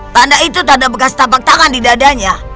tanda itu tanda begas tampak tangan di dadanya